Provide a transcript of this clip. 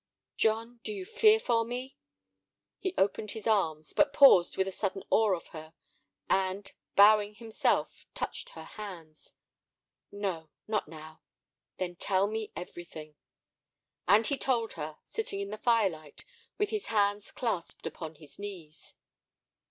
"John, do you fear for me?" He opened his arms, but paused with a sudden awe of her, and, bowing himself, touched her hands. "No, not now." "Then tell me everything." And he told her, sitting in the firelight, with his hands clasped upon his knees.